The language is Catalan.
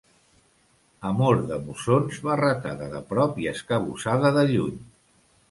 Amor de mossons, barretada de prop i escabussada de lluny.